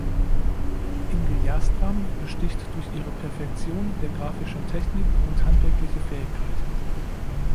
Inge Jastram besticht durch ihre Perfektion der graphischen Technik und handwerkliche Fähigkeit.